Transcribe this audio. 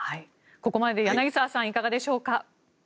ここまで柳澤さんいかがでしょうか。